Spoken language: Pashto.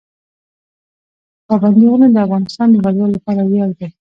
پابندی غرونه د افغانستان د هیوادوالو لپاره ویاړ دی.